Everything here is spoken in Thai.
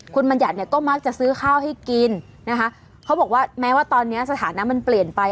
คุณบัญญัติเนี่ยก็มักจะซื้อข้าวให้กินนะคะเขาบอกว่าแม้ว่าตอนนี้สถานะมันเปลี่ยนไป